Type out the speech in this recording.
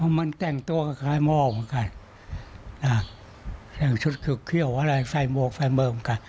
เพราะมันแต่งตัวกับคลายมอบเหมือนกันแต่งชุดคลิกเคี่ยวอะไรใส่บวกใส่เบอร์เหมือนกัน